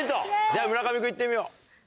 じゃあ村上君行ってみよう。